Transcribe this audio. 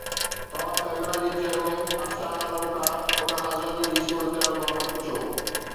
توهان پيمرا جي چيئرمين ابصار عالم کان ان آزادي جي صورتحال بابت پڇو